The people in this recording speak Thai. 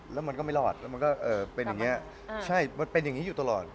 แล้วมันก็ไม่รอดแล้วมันก็เป็นอย่างนี้ใช่มันเป็นอย่างนี้อยู่ตลอด